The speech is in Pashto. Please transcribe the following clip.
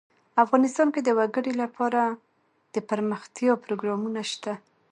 افغانستان کې د وګړي لپاره دپرمختیا پروګرامونه شته.